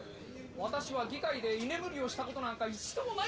わたしは議会で居眠りをしたことなんか一度もないんです。